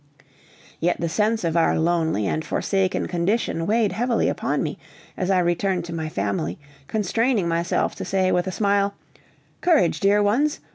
Yet the sense of our lonely and forsaken condition weighed heavily upon me as I returned to my family, constraining myself to say with a smile, "Courage, dear ones!